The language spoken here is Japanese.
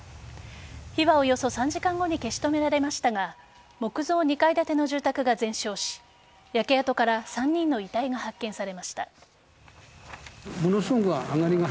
火はおよそ３時間後に消し止められましたが木造２階建ての住宅が全焼し焼け跡から３人の遺体が発見されました。